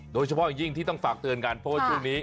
โดยเฉพาะอย่างยิ่งที่ต้องฝากเตือนกันเพราะว่าช่วงนี้